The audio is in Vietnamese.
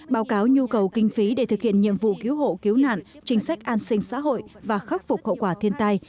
báo cáo nhu cầu kinh phí để thực hiện nhiệm vụ cứu hộ cứu nạn chính sách an sinh xã hội và khắc phục hậu quả thiên tai